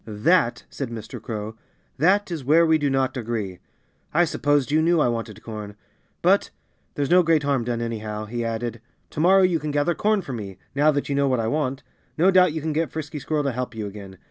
"That " said Mr. Crow "that is where we do not agree. I supposed you knew I wanted corn. But there's no great harm done, anyhow," he added. "Tomorrow you can gather corn for me now that you know what I want. No doubt you can get Frisky Squirrel to help you again.